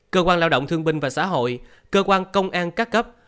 cơ quan lao động thương binh và xã hội cơ quan công an các cấp